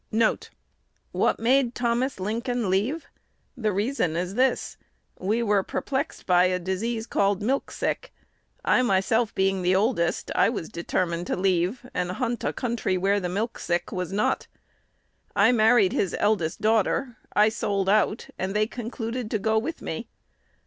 1 1 "What made Thomas Lincoln leave? The reason is this: we were perplexed by a disease called milk sick. I myself being the oldest, I was determined to leave, and hunt a country where the milk sick was not. I married his eldest daughter. I sold out, and they concluded to go with me.